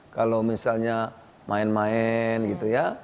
kalau misalnya main main gitu ya